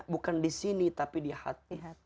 bukan di sini tapi di hati